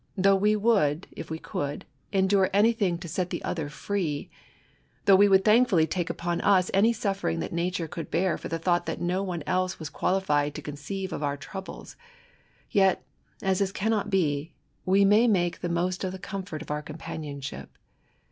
Though we would, if we could, endure anything to set the other free — ^though we would thankfuUy take upon us any suffering that nature could bear for the thought that no one else was qualified to conceive of our troubles, — yet, as this cannot be, we may make the most of the comfort of our companionship.